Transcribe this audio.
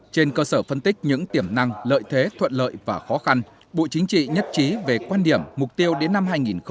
trên cơ sở phân tích những tiềm năng lợi thế thuận lợi và khó khăn bộ chính trị nhất trí về quan điểm mục tiêu đến năm hai nghìn ba mươi